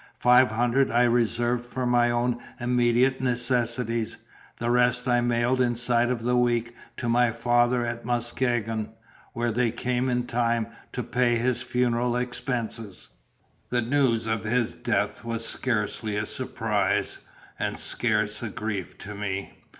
Five hundred I reserved for my own immediate necessities; the rest I mailed inside of the week to my father at Muskegon, where they came in time to pay his funeral expenses. The news of his death was scarcely a surprise and scarce a grief to me.